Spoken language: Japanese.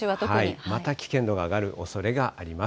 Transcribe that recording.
また危険度が上がるおそれがあります。